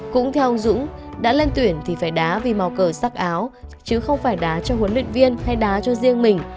cũng theo ông dũng đã lên tuyển thì phải đá vì màu cờ sắc áo chứ không phải đá cho huấn luyện viên hay đá cho riêng mình